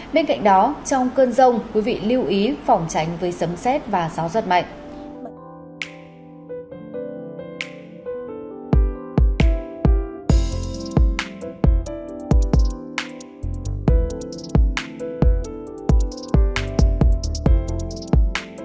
bên cạnh đó trong cơn rông quý vị lưu ý phỏng tránh với sấm xét và gió rất mạnh